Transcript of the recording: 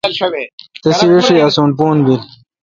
تسی ایݭی اسون پھور بیل۔